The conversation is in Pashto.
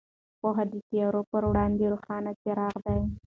پوهه د تیارو پر وړاندې روښان څراغ دی.